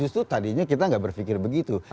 justru tadinya kita nggak berpikir begitu